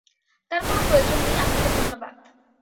তার কোনো প্রয়োজন নেই, আপনাকে ধন্যবাদ।